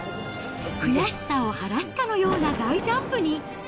悔しさを晴らすかのような大ジャンプに。